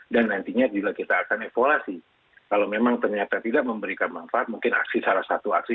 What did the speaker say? dan nantinya jika kita akan evaluasi kalau memang ternyata tidak memberikan manfaat mungkin aksi salah satu aksi